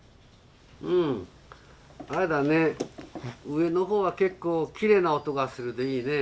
上の方は結構きれいな音がするでいいね。